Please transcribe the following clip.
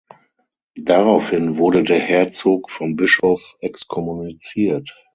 Daraufhin wurde der Herzog vom Bischof exkommuniziert.